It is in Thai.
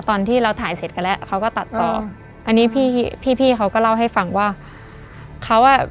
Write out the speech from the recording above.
ตอนที่เราถ่ายเสร็จกันแล้วเขาก็ตัดต่ออันนี้พี่พี่เขาก็เล่าให้ฟังว่าเขาอ่ะ